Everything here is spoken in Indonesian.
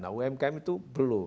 nah umkm itu belum